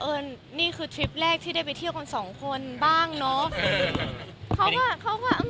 นี่คือทริปแรกที่ได้ไปเที่ยวกันสองคนบ้างเนาะ